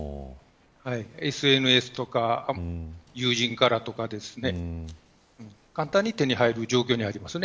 ＳＮＳとか友人からとか簡単に手に入る状況にあります。